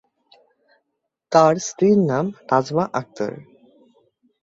তার স্ত্রীর নাম নাজমা আক্তার।